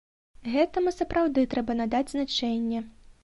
Гэтаму сапраўды трэба надаць значэнне.